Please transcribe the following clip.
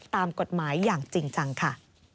ตามกฎหมายอย่างจริงจังค่ะ